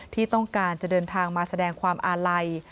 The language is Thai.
ที่ต้องการจะเดินทางมาแสดงความอาลัย